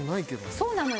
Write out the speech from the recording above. そうなのよ。